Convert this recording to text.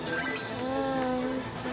うんおいしそう。